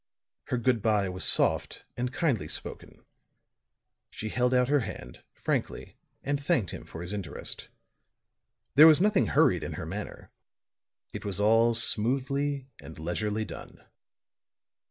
Her good by was soft and kindly spoken; she held out her hand, frankly, and thanked him for his interest. There was nothing hurried in her manner; it was all smoothly and leisurely done.